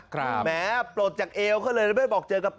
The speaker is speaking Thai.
ครับ